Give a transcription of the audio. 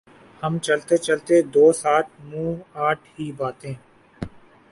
ہم چلتے چلتے دوسآٹھ منہ آٹھ ہی باتیں